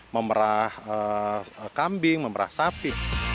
memerah kambing memerah sapi